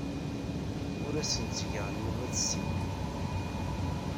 Ur asen-ttgeɣ nnuba ad ssiwlen.